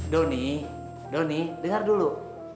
doni doni dengar dulu